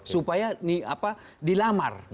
supaya di lamar